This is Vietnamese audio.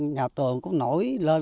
nhà tường cũng nổi lên